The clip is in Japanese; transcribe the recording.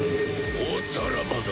おさらばだ。